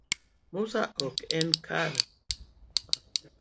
Mesa ok en kar nindo